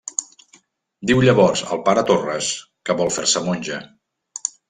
Diu llavors al pare Torres que vol fer-se monja.